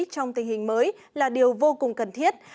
trong tình hình mới là điều vô cùng cần thiết